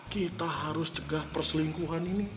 kita harus cegah perselingkuhan ini